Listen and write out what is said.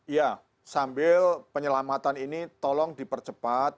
ya sambil penyelamatan ini tolong dipercepat